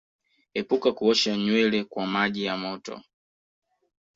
Epuka kuosha nywele kwa maji ya moto